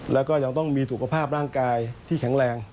แล้วก็ยังต้องมีสุขภาพร่างกายที่แข็งแรง